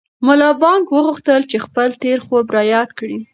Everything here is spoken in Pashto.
ملا بانګ وغوښتل چې خپل تېر خوب را یاد کړي.